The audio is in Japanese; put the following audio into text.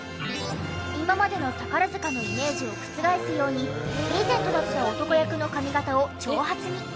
今までの宝塚のイメージを覆すようにリーゼントだった男役の髪形を長髪に。